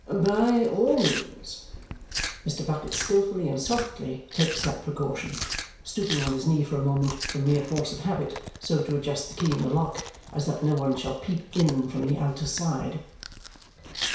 "By all means." Mr. Bucket skilfully and softly takes that precaution, stooping on his knee for a moment from mere force of habit so to adjust the key in the lock as that no one shall peep in from the outerside.